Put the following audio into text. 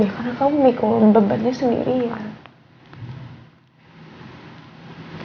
ya karena kamu nih kalau beban nya sendirian